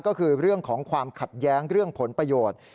ก็คือเรื่องของความขัดแย้งเรื่องผลประโยชน์